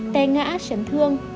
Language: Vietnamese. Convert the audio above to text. tè ngã chấn thương